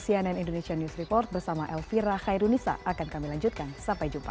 cnn indonesian news report bersama elvira khairul nisa akan kami lanjutkan sampai jumpa